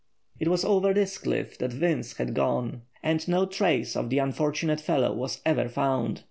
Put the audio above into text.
It was over this cliff that Vince had gone, and no trace of the unfortunate fellow was ever found.